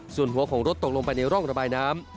ส่วนหัวของรถตกลงไปในร่องระบายน้ำ